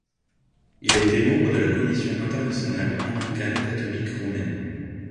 Il a été membre de la commission internationale anglicane-catholique romaine.